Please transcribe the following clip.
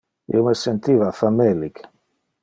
Io me sentiva famelic.